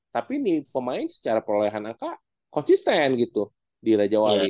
tapi nih pemain secara perolehan angka konsisten gitu di raja wali